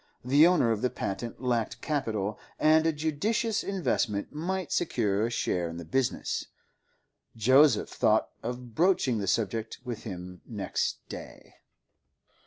The owner of the patent lacked capital, and a judicious investment might secure a share in the business; Joseph thought of broaching the subject with him next day.